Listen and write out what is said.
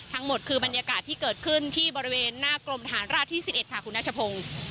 ทั้งหมดคือบรรยากาศที่เกิดขึ้นที่บริเวณหน้ากรมฐานราบที่๑๑ค่ะคุณนัชพงศ์